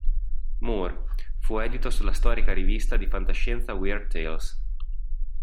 Moore; fu edito sulla storica rivista di fantascienza Weird Tales.